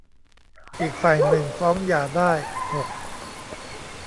อีกฝ่ายหนึ่งฟ้องหย่าได้ หก